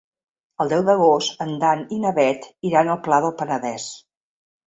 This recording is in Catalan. El deu d'agost en Dan i na Bet iran al Pla del Penedès.